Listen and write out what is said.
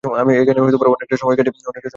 আমি এখানে অনেকটা সময় কাটিয়েছি।